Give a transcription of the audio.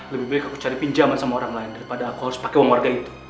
lebih baik aku cari pinjaman sama orang lain daripada aku harus pakai uang warga itu